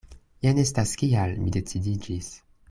Jen estas kial mi decidiĝis.